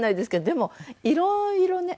でもいろいろね